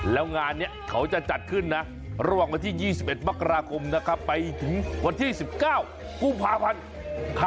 แล้วงานนี้เขาจะจัดขึ้นนะระหว่างวันที่๒๑มกราคมนะครับไปถึงวันที่๑๙กุมภาพันธ์